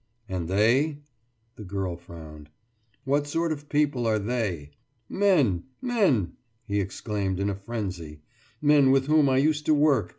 « »And They?« The girl frowned. »What sort of people are They?« »Men! Men!« he exclaimed in a frenzy. »Men with whom I used to work.